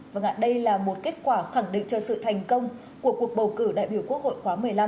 vâng ạ đây là một kết quả khẳng định cho sự thành công của cuộc bầu cử đại biểu quốc hội khoáng một mươi năm